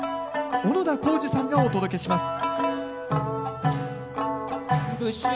小野田浩二さんがお届けします。